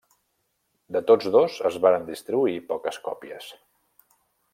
De tots dos es varen distribuir poques còpies.